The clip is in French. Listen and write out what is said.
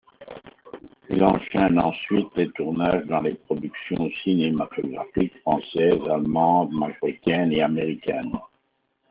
Il enchaine ensuite les tournages dans des productions cinématographiques françaises, allemandes, marocaines et américaines.